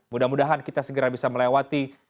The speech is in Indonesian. mudah mudahan kita segera bisa melewati